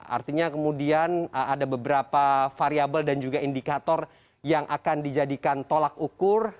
artinya kemudian ada beberapa variable dan juga indikator yang akan dijadikan tolak ukur